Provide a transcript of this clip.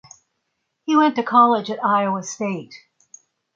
He went to college at Iowa State.